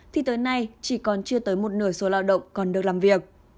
thì tới nay chỉ còn chưa tới một nửa số lao động còn được làm việc